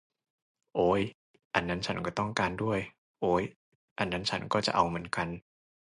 โอ๊ย อันนั้นฉันก็ต้องการด้วย โอ๊ย อันนั้นฉันก็จะเอาเหมือนกัน